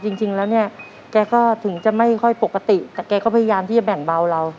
จริงแล้วเนี่ยแกก็ถึงจะไม่ค่อยปกติแต่แกก็พยายามที่จะแบ่งเบาเรา